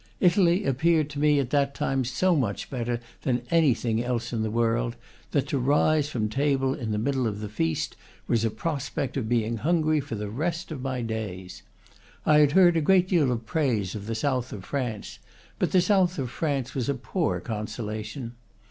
Italy appeared to me at that time so much better than anything else in the world, that to rise from table in the middle of the feast was a prospect of being hungry for the rest of my days. I had heard a great deal of praise of the south of France; but the south of France was a poor consolation.